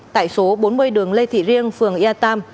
tại số bốn mươi đường lê thị riêng phường ea tam